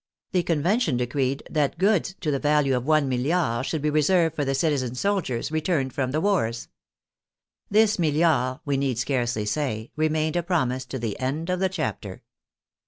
The Convention decreed that " goods " to the value of one milliard should 112 PHE FRENCH REVOLUTION be reserved for the citizen soldiers returned from the wars. This milHard, we need scarcely say, remained a promise to the end of the chapter.